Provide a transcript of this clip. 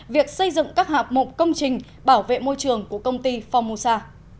việc xây dựng các hạp mộng công trình bảo vệ môi trường của công ty phomosa